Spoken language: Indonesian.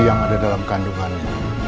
yang ada dalam kandungannya